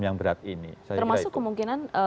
yang berat ini termasuk kemungkinan